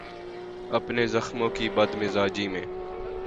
اپنے زخموں کی بد مزاجی میں